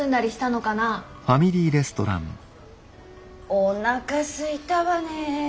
おなかすいたわねえ。